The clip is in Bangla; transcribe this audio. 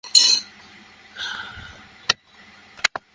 বাচ্চারা হাঁসফাঁস করছে একদম, জানো?